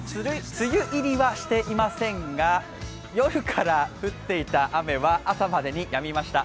梅雨入りはしていませんが夜から降っていた雨は朝までにやみました。